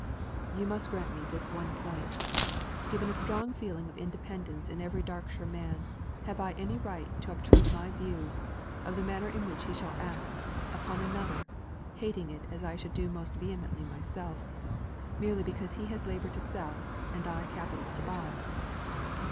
"You must grant me this one point. Given a strong feeling of independence in every Darkshire man, have I any right to obtrude my views, of the manner in which he shall act, upon another (hating it as I should do most vehemently myself), merely because he has labour to sell and I capital to buy?"